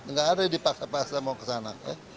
nggak ada yang dipaksa paksa mau ke sana